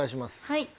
はい。